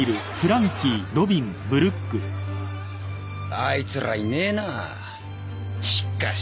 アイツらいねえなァしっかし